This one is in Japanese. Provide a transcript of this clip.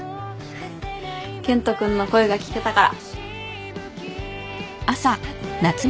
健人君の声が聞けたから。